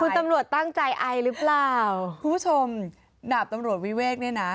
คุณตำรวจตั้งใจไอหรือเปล่าคุณผู้ชมดาบตำรวจวิเวกเนี่ยนะ